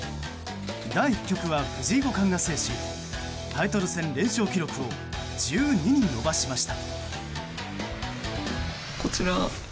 第１局は藤井五冠が制しタイトル戦連勝記録を１２に伸ばしました。